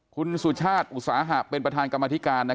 คุณสุชาติอุตสาหะเป็นประธานกรรมธิการ